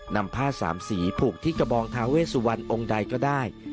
นำผ้าสามสีผูกที่กระบองทาเวสุวรรณองค์ใดก็ได้